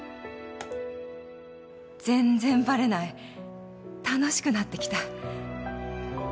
「全然ばれない」「楽しくなってきた」